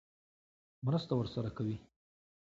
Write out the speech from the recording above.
مرسته ورسره کوي.